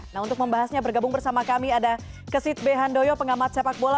nah untuk membahasnya bergabung bersama kami ada kesit b handoyo pengamat sepak bola